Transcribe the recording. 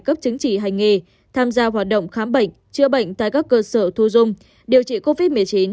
cấp chứng chỉ hành nghề tham gia hoạt động khám bệnh chữa bệnh tại các cơ sở thu dung điều trị covid một mươi chín